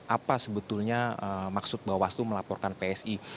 apa sebetulnya maksud bahwa wastu melaporkan psi